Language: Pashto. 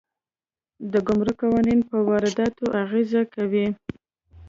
د ګمرک قوانین په وارداتو اغېز کوي.